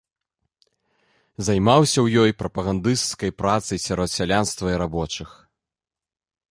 Займаўся ў ёй прапагандысцкай працай сярод сялянства і рабочых.